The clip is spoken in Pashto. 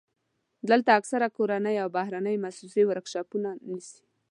دلته اکثره کورنۍ او بهرنۍ موسسې ورکشاپونه نیسي.